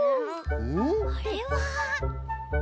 あれは。